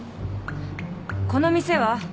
この店は？